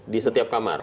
di setiap kamar